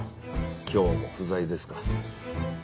今日も不在ですか。